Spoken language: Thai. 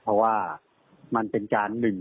เพราะว่ามันเป็นการหนึ่ง